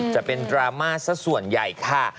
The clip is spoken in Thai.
จะเป็นรามาสักส่วนใหญ่ค่ะ